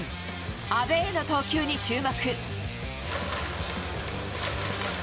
安部への投球に注目。